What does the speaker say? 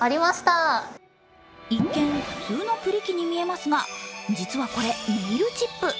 一見、普通のプリ機に見えますが実はこれネイルチップ。